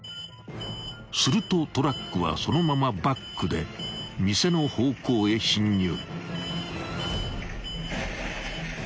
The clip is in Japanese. ［するとトラックはそのままバックで店の方向へ進入］